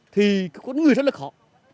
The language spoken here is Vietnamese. thì có người rất là khó